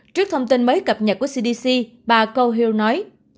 trước thông tin mới cập nhật của cdc bà conherl nói